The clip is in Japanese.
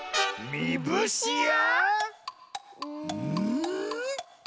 みぶしあ！